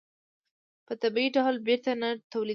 په طبیعي ډول بېرته نه تولیدېږي.